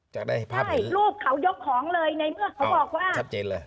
จากในภาพใช่รูปเขายกของเลยในเมื่อเขาบอกว่าชัดเจนเลย